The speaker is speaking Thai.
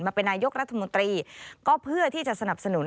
มาเป็นนายกรัฐมนตรีก็เพื่อที่จะสนับสนุน